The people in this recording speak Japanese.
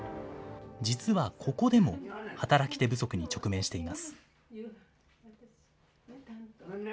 実はここでも、働き手不足に直面しています。